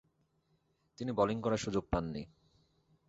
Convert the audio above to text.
তিনি বোলিং করার সুযোগ পাননি।